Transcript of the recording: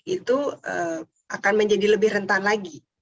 itu akan menjadi lebih rentan lagi